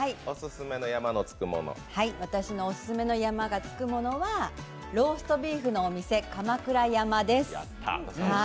私のおすすめの山がつくものはローストビーフのお店、鎌倉山です